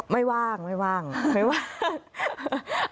ไม่ว่างไม่ว่างไม่ว่าง